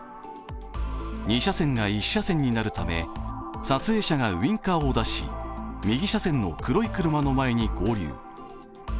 ２車線が１車線になるため、撮影者がウインカーを出し、右車線の黒い車の前に合流。